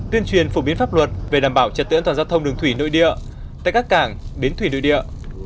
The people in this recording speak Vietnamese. tuyên truyền phổ biến pháp luật về đảm bảo trật tự an toàn giao thông đường thủy nội địa tại các cảng bến thủy nội địa